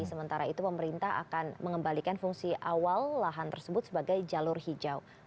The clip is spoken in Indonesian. sementara itu pemerintah akan mengembalikan fungsi awal lahan tersebut sebagai jalur hijau